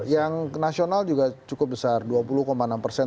yang nasional juga cukup besar dua puluh enam persen